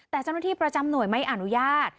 แต่เจ้าหน้าที่ประจำหน่วยไม่อนุญาต